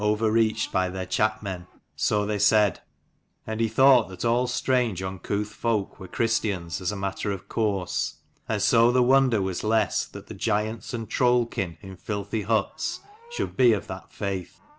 RAINEACH, reached by their chapmen, so they said: and he thought that all strange uncouth folk were Christians, as a matter of course : and so the wonder was less that giants and troll kin in filthy huts should be of that faith.